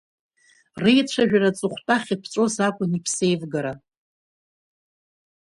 Реицәажәара аҵыхәтәа ахьыԥҵәоз акәын иԥсеивгара.